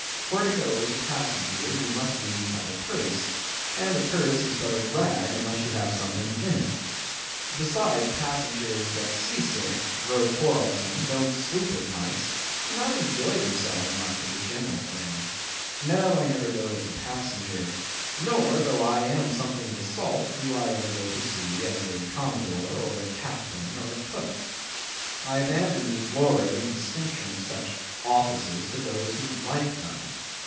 For to go as a passenger you must needs have a purse, and a purse is but a rag unless you have something in it. Besides, passengers get sea sick—grow quarrelsome—don't sleep of nights—do not enjoy themselves much, as a general thing;—no, I never go as a passenger; nor, though I am something of a salt, do I ever go to sea as a Commodore, or a Captain, or a Cook. I abandon the glory and distinction of such offices to those who like them.